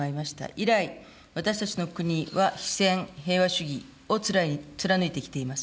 以来、私たちの国は非戦、平和主義を貫いてきています。